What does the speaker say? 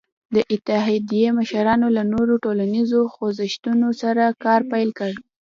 د اتحادیې مشرانو له نورو ټولنیزو خوځښتونو سره کار پیل کړ.